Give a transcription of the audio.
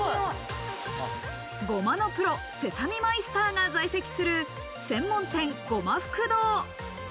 ゴマのプロ、セサミマイスターが在籍する専門店・ごま福堂。